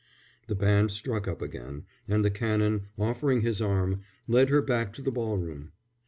The band struck up again, and the Canon, offering his arm, led her back to the ball room.